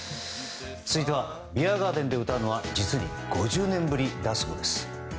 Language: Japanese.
続いて、ビアガーデンで歌うのは実に５０年ぶりだそうです。